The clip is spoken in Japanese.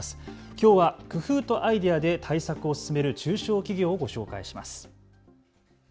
きょうは工夫とアイデアで対策を進める中小企業をご紹介します。